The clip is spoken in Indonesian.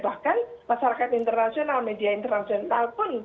bahkan masyarakat internasional media internasional pun